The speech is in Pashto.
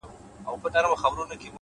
د نظم ځواک ژوند منظموي.!